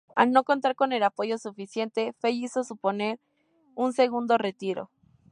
Al no contar con el apoyo suficiente, Fey hizo suponer un segundo retiro.